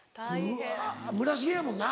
うわ村重やもんな。